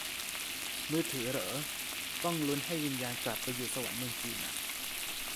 มือถือเหรอ ต้องลุ้นให้วิญญาณกลับไปอยู่สวรรค์เมืองจีนอ่ะ